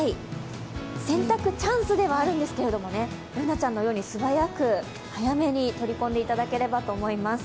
洗濯チャンスではあるんですけれども、Ｂｏｏｎａちゃんのように素早く早めに取り込んでいただければと思います。